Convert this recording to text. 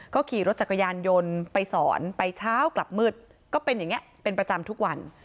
ก็ขี่รถจักรยานยนต์ไปสอนไปเช้ากลับมืดก็เป็นอย่างนี้เป็นประจำทุกวัน